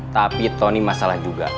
tapi tony masalah juga